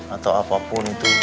atau apapun itu